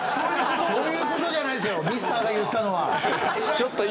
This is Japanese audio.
そういう事じゃないですよミスターが言ったのは。